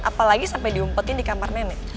apalagi sampai diumpetin di kamar nenek